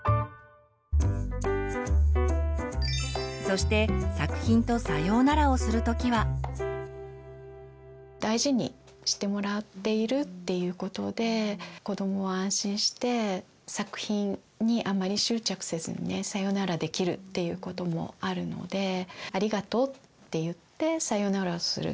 そして大事にしてもらっているっていうことで子どもは安心して作品にあまり執着せずにさよならできるということもあるのでありがとうって言ってさよならをする。